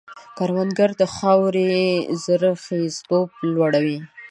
کروندګر د خاورې زرخېزتوب لوړوي